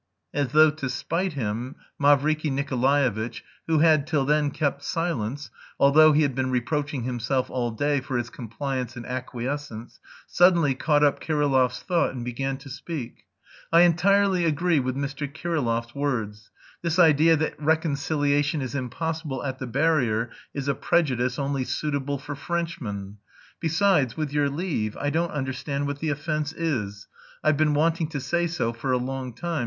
As though to spite him, Mavriky Nikolaevitch, who had till then kept silence, although he had been reproaching himself all day for his compliance and acquiescence, suddenly caught up Kirillov's thought and began to speak: "I entirely agree with Mr. Kirillov's words.... This idea that reconciliation is impossible at the barrier is a prejudice, only suitable for Frenchmen. Besides, with your leave, I don't understand what the offence is. I've been wanting to say so for a long time...